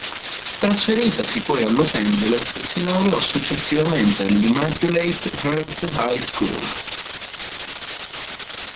Trasferitasi poi a Los Angeles, si laureò successivamente all'Immaculate Heart High School.